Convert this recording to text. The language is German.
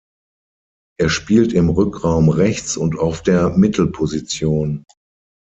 Er spielt im Rückraum rechts und auf der Mittelposition.